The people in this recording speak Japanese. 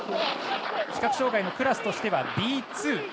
視覚障がいのクラスとしてはＢ２。